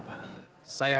saya hanya ingin tahu